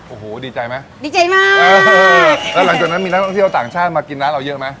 โอ้โหดีใจไหมดีใจมากเออแล้วหลังจากนั้นมีนักท่องเที่ยวต่างชาติมากินร้านเราเยอะไหม